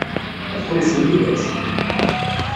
Ad ḥewwsen yid-s?